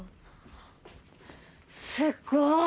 すっごい！